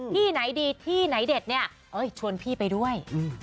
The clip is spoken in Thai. ที่ไหนดีที่ไหนเด็ดเนี่ยชวนพี่ไปด้วย